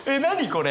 これ。